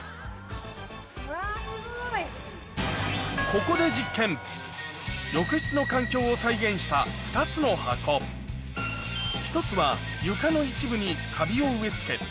ここで浴室の環境を再現した２つの箱１つは床の一部にカビを植え付け